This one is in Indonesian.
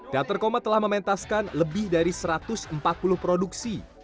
teater koma telah mementaskan lebih dari satu ratus empat puluh produksi